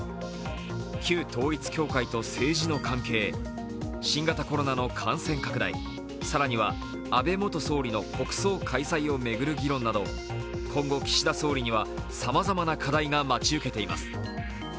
旧統一教会と政治の関係、新型コロナの感染拡大、更には安倍元総理の国葬開催を巡る議論など今後、岸田総理にはさまざまな課題が待ち受けています。